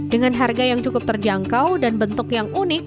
dengan harga yang cukup terjangkau dan bentuk yang unik